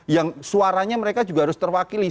yang suaranya mereka juga harus terwakili